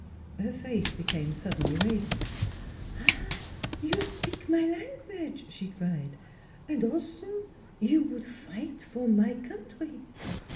Her face became suddenly radiant. " Ah, you spik my language !" she cried. " And also you would fight for my country.